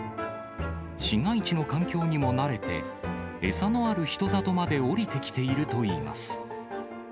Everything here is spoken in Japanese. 市街地の環境にも慣れて、餌のある人里まで下りてきているといいます。